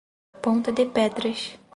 Ponta de Pedras